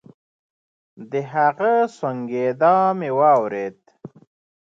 د هغه سونګېدا مې واورېد.